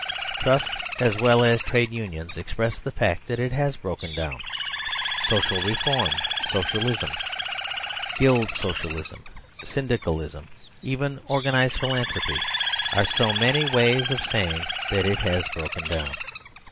Trusts as well as Trades' Unions express the fact that it has broken down. Social reform. Socialism, Guild Socialism, Syndicalism, even organised philanthropy, are so many ways of saying that it has broken down.